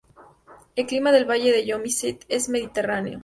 El clima del valle de Yosemite es mediterráneo.